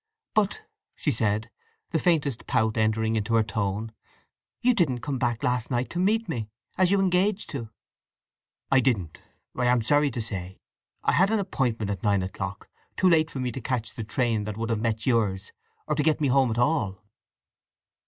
But," she said, the faintest pout entering into her tone, "you didn't come back last night and meet me, as you engaged to!" "I didn't—I am sorry to say. I had an appointment at nine o'clock—too late for me to catch the train that would have met yours, or to get home at all."